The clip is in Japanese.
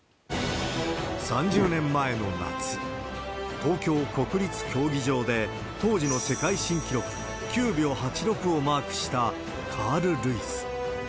３０年前の夏、東京・国立競技場で、当時の世界新記録、９秒８６をマークしたカール・ルイス。